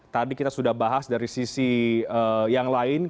tadi kita sudah bahas dari sisi yang lain